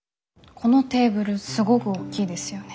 このテーブルすごぐ大きいですよね。